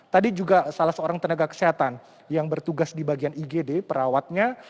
tadi juga salah seorang tenaga kesehatan yang bertugas di bagian igd perawatnya